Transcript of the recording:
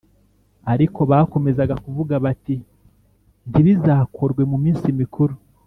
Ariko bakomezaga kuvuga bati ntibizakorwe mu minsi mikuru